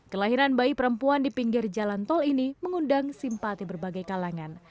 kelahiran bayi perempuan di pinggir jalan tol ini mengundang simpati berbagai kalangan